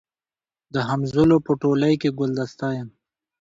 د همزولو په ټولۍ کي ګلدسته یم